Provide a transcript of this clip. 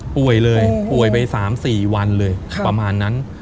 ป่วยเลยป่วยไป๓๔วันเลยประมาณนั้น